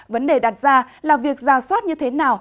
vấn đề đặt ra là việc giả soát như thế nào